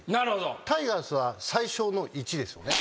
タイガースは最少の１ですよね。